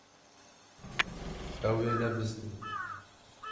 Ew ê nebizdin.